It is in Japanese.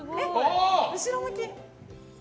後ろ向き！